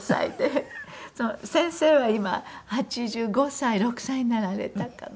先生は今８５歳８６歳になられたかな？